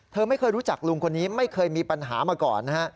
ไม่เคยรู้จักลุงคนนี้ไม่เคยมีปัญหามาก่อนนะฮะ